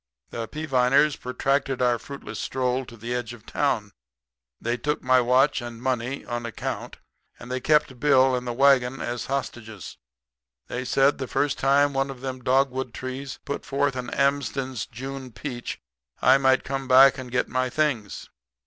"The Peaviners protracted our fruitless stroll to the edge of town. They took my watch and money on account; and they kept Bill and the wagon as hostages. They said the first time one of them dogwood trees put forth an Amsden's June peach I might come back and get my things.